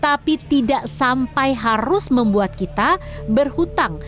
tapi tidak sampai harus membuat kita berhutang